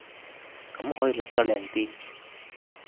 咁可以落得靚啲